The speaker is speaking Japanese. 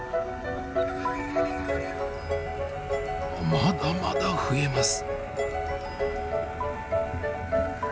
まだまだ増えます。